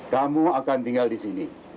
kamu akan tinggal di sini